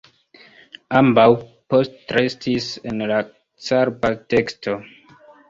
Ambaŭ postrestis en la Calpa-teksto.